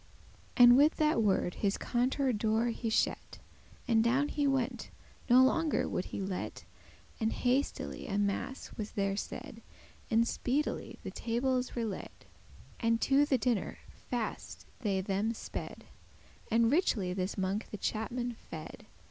And with that word his contour door he shet,* *shut And down he went; no longer would he let;* *delay, hinder And hastily a mass was there said, And speedily the tables were laid, And to the dinner faste they them sped, And richely this monk the chapman fed.